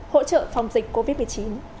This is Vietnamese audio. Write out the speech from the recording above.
hỗ trợ phòng dịch covid một mươi chín